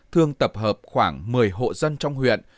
thương tập hợp khoảng một mươi hộ dân trong huyện